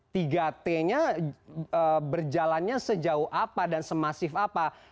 tiga t nya berjalannya sejauh apa dan semasif apa